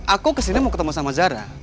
aku kesini mau ketemu sama zara